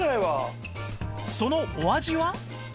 そのお味は？